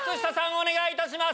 お願いいたします。